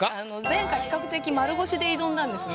前回比較的丸腰で挑んだんですね。